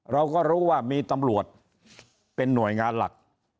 เราก็รู้ว่ามีตำรวจเป็นหน่วยงานหลัก